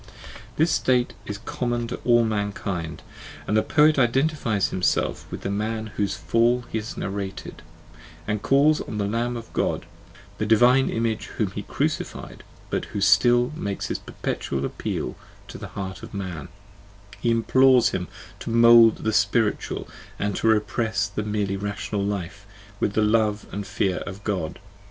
This state is common to all mankind; and the poet identifies himself with the man whose fall he has narrated, and calls on the Lamb of God, the Divine Image whom he crucified, but who still makes his perpetual appeal to the heart of man: he implores him to mould the spiritual and to repress the merely rational life with the love and fear of God.